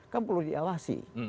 kan perlu diawasi